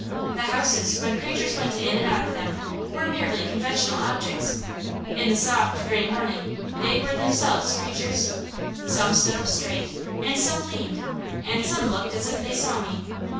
The houses, when creatures went in and out of them, were merely conventional objects; in the soft gray morning they were themselves creatures. Some stood up straight, and some leaned, and some looked as if they saw me.